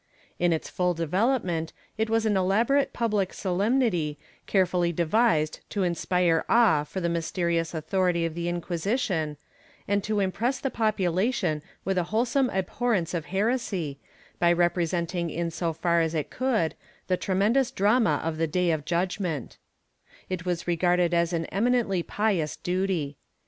In its full development it was an elaborate public solenmity, carefully devised to inspire awe for the mysterious authority of the Inquisition, and to impress the population with a wholesome abhorrence of heresy, by representing in so far as it could the tre mendous drama of the Day of Judgement/ It was regarded as an eminently pious duty.